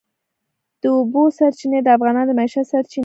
د اوبو سرچینې د افغانانو د معیشت سرچینه ده.